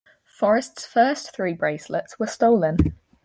Forrest's first three bracelets were stolen.